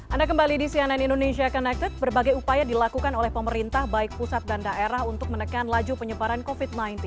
anda kembali di cnn indonesia connected berbagai upaya dilakukan oleh pemerintah baik pusat dan daerah untuk menekan laju penyebaran covid sembilan belas